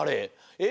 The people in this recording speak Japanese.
えっ？